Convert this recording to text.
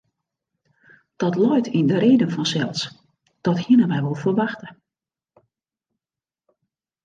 Dat leit yn de reden fansels, dat hienen we wol ferwachte.